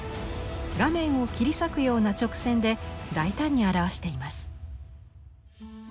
画面を切り裂くような直線で大胆に表しています。